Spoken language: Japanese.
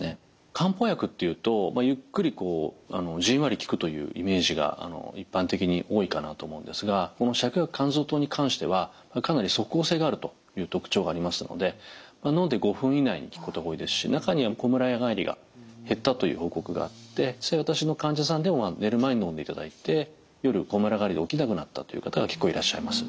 漢方薬っていうとゆっくりじんわり効くというイメージが一般的に多いかなと思うんですがこの芍薬甘草湯に関してはかなり即効性があるという特徴がありますのでのんで５分以内に効くことが多いですし中にはこむら返りが減ったという報告があってそれは私の患者さんでも寝る前のんでいただいて夜こむら返りが起きなくなったという方が結構いらっしゃいます。